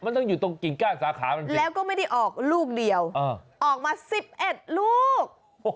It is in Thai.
มันต้องอยู่ตรงกิ่งก้านสาขามันแล้วก็ไม่ได้ออกลูกเดียวออกมา๑๑ลูก